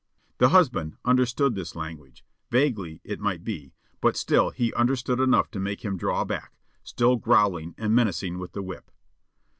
The husband understood this language, vaguely, it might be, but still he understood enough to make him draw back, still growling and menacing with the whip.